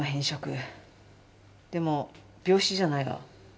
でも病死じゃないな。